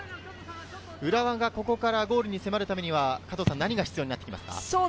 浦和がここからゴールに迫るためには何が必要ですか？